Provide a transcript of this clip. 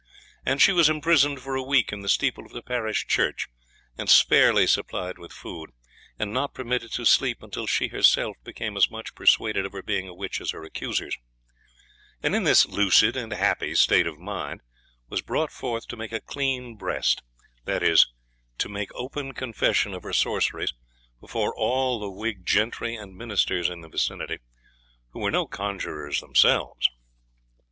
And she was imprisoned for a week in the steeple of the parish church, and sparely supplied with food, and not permitted to sleep until she herself became as much persuaded of her being a witch as her accusers; and in this lucid and happy state of mind was brought forth to make a clean breast, that is, to make open confession of her sorceries, before all the Whig gentry and ministers in the vicinity, who were no conjurors themselves.